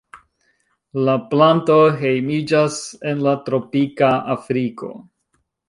La planto hejmiĝas en la tropika Afriko.